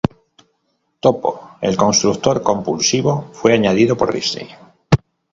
Topo, el constructor compulsivo, fue añadido por Disney.